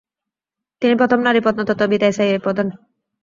তিনি প্রথম নারী প্রত্নতত্ত্ববিদ এএসআই প্রধান।